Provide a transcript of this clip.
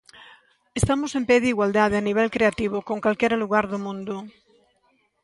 Estamos en pé de igualdade a nivel creativo con calquera lugar do mundo.